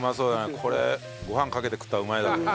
これご飯かけて食ったらうまいだろうね。